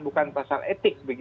bukan pasal etik